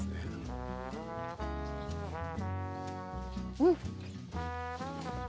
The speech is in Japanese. うん！